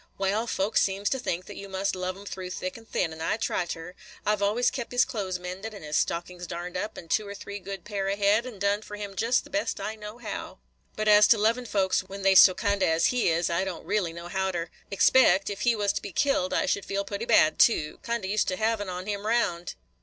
"Wal, folks seems to think that you must love 'em through thick and thin, and I try ter. I 've allers kep' his clothes mended, and his stockings darned up, and two or three good pair ahead, and done for him jest the best I know how; but as to lovin' folks when they 's so kind o' as he is, I don't reelly know how ter. Expect, ef he was to be killed, I should feel putty bad, too, – kind o' used to havin' on him round."